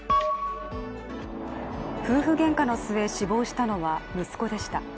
夫婦げんかの末死亡したのは、息子でした。